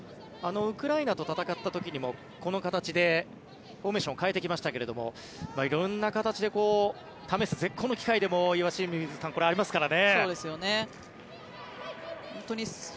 ウクライナと戦った時にもこの形でフォーメーションを変えてきましたけど色んな形で試す絶好の機会でも、岩清水さんこれありますからね。